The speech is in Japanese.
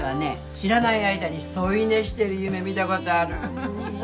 知らない間に添い寝してる夢見たことあるうわ